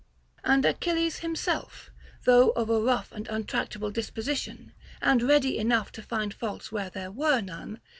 And Achilles himself, though of a rough and untractable disposition and ready enough to find faults where there were none.